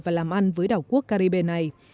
và làm ăn với đảo quốc caribe này